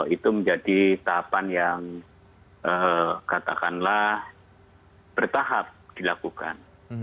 itu menjadi tahapan yang katakanlah bertahap dilakukan